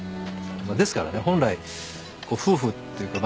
ですからね本来夫婦っていうか。